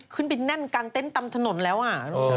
ขึ้นไปแน่นกางเต้นตำถนนแล้วอะ